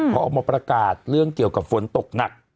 เขาออกมาประกาศเรื่องเกี่ยวกับฝนตกหนัก